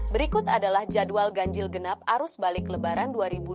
berikut adalah jadwal ganjil genap arus balik lebaran dua ribu dua puluh